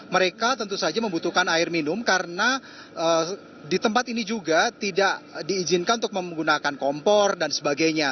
mereka tentu saja membutuhkan air minum karena di tempat ini juga tidak diizinkan untuk menggunakan kompor dan sebagainya